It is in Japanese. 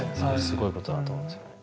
すごいことだと思いますよね。